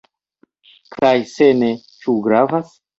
Kaj se ne, ĉu gravas?